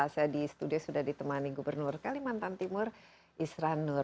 saya di studio sudah ditemani gubernur kalimantan timur isran nur